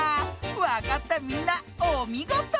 わかったみんなおみごと。